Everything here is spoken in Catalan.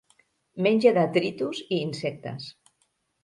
Menja detritus i insectes.